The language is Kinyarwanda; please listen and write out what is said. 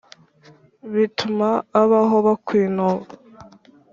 Bituma ab'aho bakwinuba